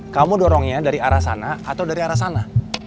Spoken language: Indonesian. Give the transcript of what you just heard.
kamu dorongnya dari arah sana atau dari arah sana